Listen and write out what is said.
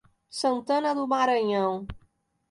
Santana do Maranhão